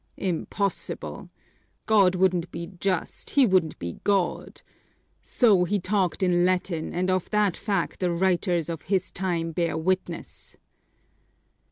Impossible! God wouldn't be just, He Wouldn't be God! So he talked in Latin, and of that fact the writers of his time bear witness!"